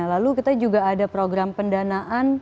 lalu kita juga ada program pendanaan